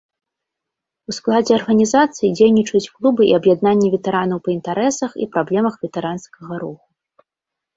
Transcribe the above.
У складзе арганізацыі дзейнічаюць клубы і аб'яднанні ветэранаў па інтарэсах і праблемах ветэранскага руху.